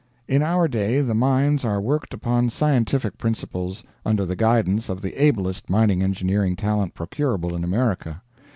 In our day the mines are worked upon scientific principles, under the guidance of the ablest mining engineering talent procurable in America.